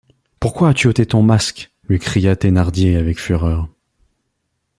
Pourquoi as-tu ôté ton masque? lui cria Thénardier avec fureur.